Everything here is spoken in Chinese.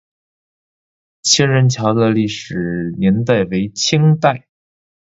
仙人桥的历史年代为清代。